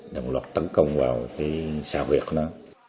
đồng loạt tấn công vào cái xã huyệt của nó